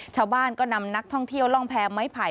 ชาวบ้านก็นำนักท่องเที่ยวร่องแพ้ไม้ไผ่